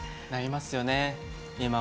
なりますね。